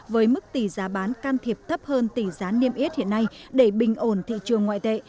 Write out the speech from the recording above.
với mức tỷ giá bán can thiệp thấp hơn tỷ giá niêm yết hiện nay để bình ổn thị trường ngoại tệ